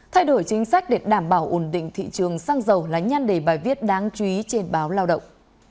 thay đổi chính sách để đảm bảo ổn định thị trường xăng dầu là nhan đề bài viết đáng chú ý trên báo lao động